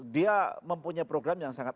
dia mempunyai program yang sangat